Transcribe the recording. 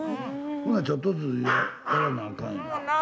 ほなちょっとずつやらなあかんやん。